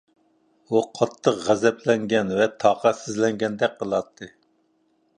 ئۇ قاتتىق غەزەپلەنگەن ۋە تاقەتسىزلەنگەندەك قىلاتتى.